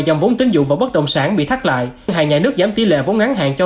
dòng vốn tín dụng vào bất động sản bị thắt lại ngân hàng nhà nước giảm tỉ lệ vốn ngắn hạn cho